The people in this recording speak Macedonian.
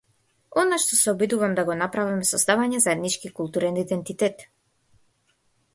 Она што се обидувам да го направам е создавање заеднички културен идентитет.